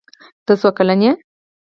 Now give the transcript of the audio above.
ته څو کلن يي